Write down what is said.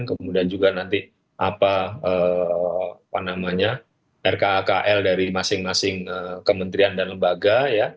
kemudian juga nanti rkakl dari masing masing kementerian dan lembaga